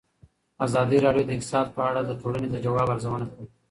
ازادي راډیو د اقتصاد په اړه د ټولنې د ځواب ارزونه کړې.